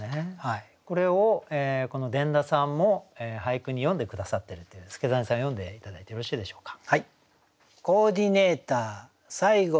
これをこの伝田さんも俳句に詠んで下さってるっていう祐真さん読んで頂いてよろしいでしょうか。